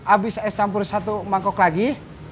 abis es campur satu mangkok lagi